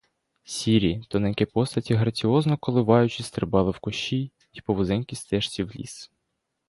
Сірі, тоненькі постаті, граціозно коливаючись, стрибали в кущі й по вузенькій стежці в ліс.